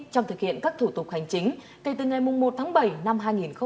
trong thực hiện các thủ tục hành chính kể từ ngày một tháng bảy năm hai nghìn hai mươi